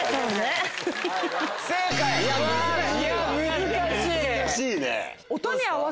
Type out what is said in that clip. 難しいわ。